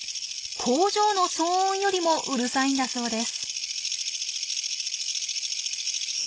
工場の騒音よりもうるさいんだそうです。